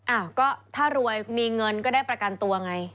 อ้าวก็ถ้ารวยมีเงินก็ได้ประกันตัวไง